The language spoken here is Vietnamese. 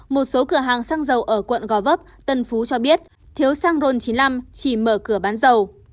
một số cửa hàng xăng dầu ở quận gò vấp tân phú cho biết thiếu xăng ron chín mươi năm chỉ mở cửa bán dầu